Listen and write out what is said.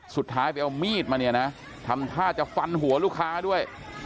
สุดท้ายไปเอามีดมาเนี่ยนะทำท่าจะฟันหัวลูกค้าด้วย